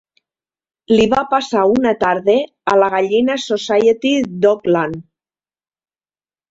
Li va passar una tarda a la Gallina Society d'Oakland.